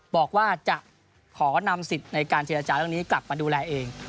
บอกว่าจะขอนำสิทธิ์ในการเจรจาเรื่องนี้กลับมาดูแลเอง